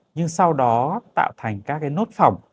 nhưng sau đó tạo thành các cái nốt phỏng